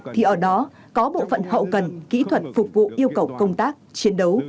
thì ở đó có bộ phận hậu cần kỹ thuật phục vụ yêu cầu công tác chiến đấu